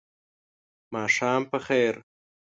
ماښام په خیر !